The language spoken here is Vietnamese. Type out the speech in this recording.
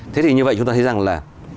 thế thì như vậy chúng ta thấy rằng là